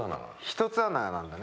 １つ穴なんだね。